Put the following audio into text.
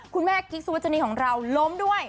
คุณแม่กีฟสูจนีของเราล้มด้วย